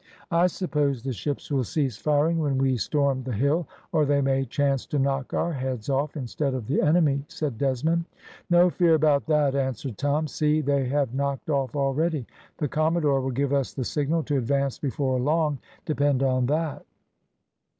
"I suppose the ships will cease firing when we storm the hill, or they may chance to knock our heads off instead of the enemy," said Desmond. "No fear about that," answered Tom. "See, they have knocked off already. The commodore will give us the signal to advance before long, depend on that."